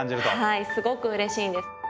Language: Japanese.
はいすごくうれしいんです。